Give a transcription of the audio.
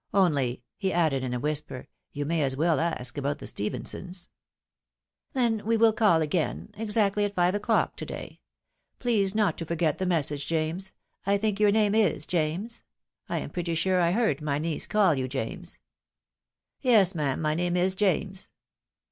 Only," he added, in a whisper, "you may as well ask about the Stephensons." " Then we will call again — exactly at five o'clock to day. Please not to forget the message, James — I think your name is James? I am pretty sure I heard my niece caU you James." " Yes, ma'am, my name is James."